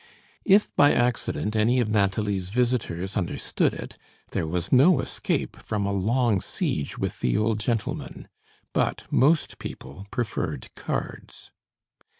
If, by accident, any of Nathalie's visitors understood it, there was no escape from a long siege with the old gentleman; but most people preferred cards.